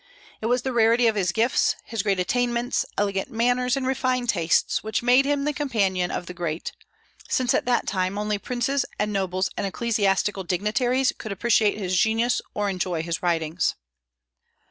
It was the rarity of his gifts, his great attainments, elegant manners, and refined tastes which made him the companion of the great, since at that time only princes and nobles and ecclesiastical dignitaries could appreciate his genius or enjoy his writings.